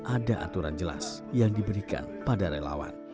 ada aturan jelas yang diberikan pada relawan